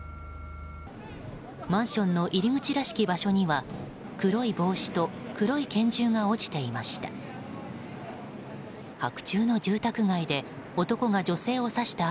マンションの入り口らしき場所には黒い帽子と、黒い拳銃が落ちていました。